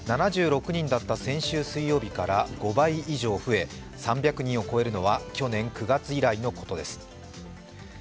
７６人だった先週水曜日から５倍以上増え３００人を超えるのは去年９月以来のことです。